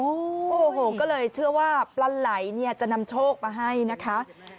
โอ้โหก็เลยเชื่อว่าปลาไหล่เนี่ยจะนำโชคมาให้นะคะ